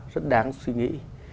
rất đáng suy nghĩ